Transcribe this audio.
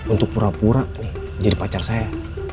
untuk pura pura jadi pacar saya